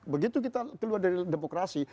begitu kita keluar dari demokrasi